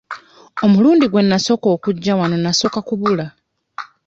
Omulundi gwe nnasooka okujja wano nnasooka kubula.